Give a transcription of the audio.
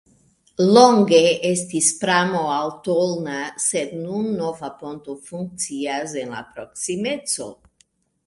Longe estis pramo al Tolna, sed nun nova ponto funkcias en la proksimeco.